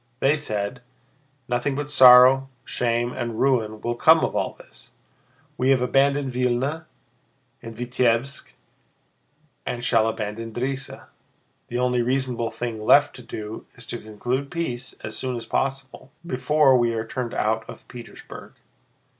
They said: "Nothing but sorrow, shame, and ruin will come of all this! We have abandoned Vílna and Vítebsk and shall abandon Drissa. The only reasonable thing left to do is to conclude peace as soon as possible, before we are turned out of Petersburg."